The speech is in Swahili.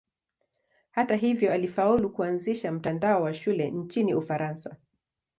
Hata hivyo alifaulu kuanzisha mtandao wa shule nchini Ufaransa.